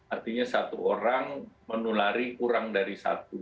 artinya satu orang menulari kurang dari satu